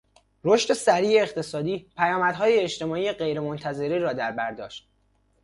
رشد سریع اقتصادیپیامدهای اجتماعی غیر منتظرهای دربر داشت.